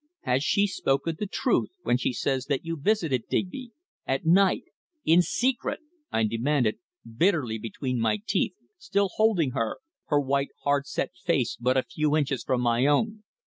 "Has she spoken the truth when she says that you visited Digby at night in secret!" I demanded, bitterly, between my teeth, still holding her, her white, hard set face but a few inches from my own.